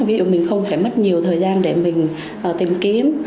ví dụ mình không phải mất nhiều thời gian để mình tìm kiếm